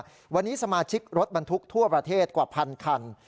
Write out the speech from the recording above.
วันนี้สมาชิกรถบรรทุกทั่วประเทศกว่าพันคัน